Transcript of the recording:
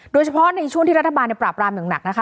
โดยเฉพาะในช่วงที่รัฐบาลปราบรามอย่างหนักนะคะ